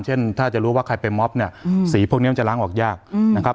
เช่นถ้าจะรู้ว่าใครไปมอบเนี่ยสีพวกนี้มันจะล้างออกยากนะครับ